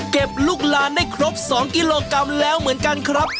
ลูกลานได้ครบ๒กิโลกรัมแล้วเหมือนกันครับ